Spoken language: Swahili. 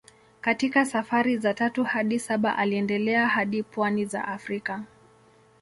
Katika safari za tatu hadi saba aliendelea hadi pwani za Afrika.